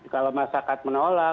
kalau masyarakat menolak